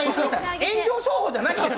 炎上商法じゃないんです。